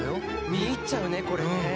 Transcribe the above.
見入っちゃうねこれね。